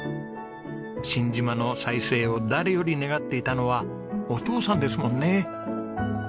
新島の再生を誰より願っていたのはお父さんですもんね。